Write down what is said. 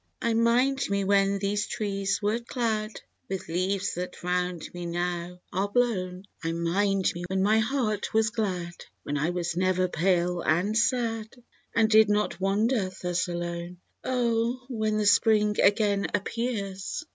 I mind me when these trees were clad With leaves that round me now are blown, I mind me when my heart was glad, When I was never pale and sad. And did not wander thus alone. Oh ! when the Spring again appears.